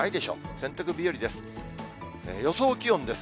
洗濯日和です。